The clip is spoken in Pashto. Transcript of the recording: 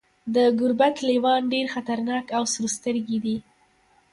د ګوربت لیوان ډیر خطرناک او سورسترګي دي.